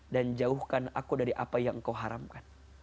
dan jauhkan aku dari apa yang kau haramkan